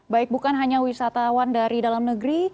baik bukan hanya wisatawan dari dalam negeri